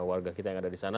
warga kita yang ada di sana